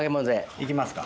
行きますか。